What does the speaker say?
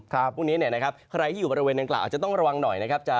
พรุ่งนี้เนี่ยนะครับใครที่อยู่บริเวณดังกล่าอาจจะต้องระวังหน่อยนะครับ